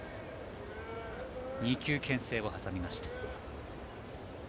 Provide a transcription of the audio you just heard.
２球けん制を挟みました。